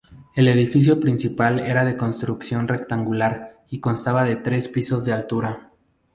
El edificio principal era de construcción rectangular y constaba de tres pisos de altura.